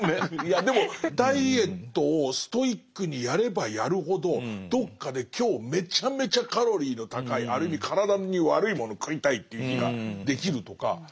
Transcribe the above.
いやでもダイエットをストイックにやればやるほどどっかで今日めちゃめちゃカロリーの高いある意味体に悪いもの食いたいっていう日ができるとか。